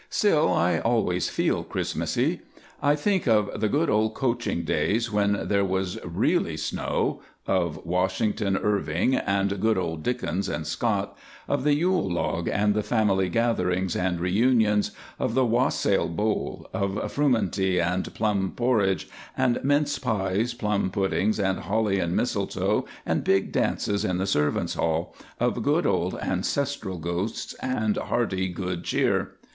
Still, I always feel Christmassy. I think of the good old coaching days, when there was really snow, of Washington, Irving, and good old Dickens and Scott, of the yule log and the family gatherings and re unions, of the wassail bowl, of frumenty and plum porridge, and mince pies, plum puddings, and holly and mistletoe and big dances in the servants' hall, of good old ancestral ghosts and hearty good cheer.